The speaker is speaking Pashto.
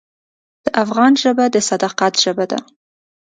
د افغان ژبه د صداقت ژبه ده.